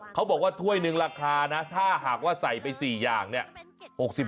เขาบอกว่าถ้วยหนึ่งราคานะถ้าหากว่าใส่ไป๔อย่างเนี่ย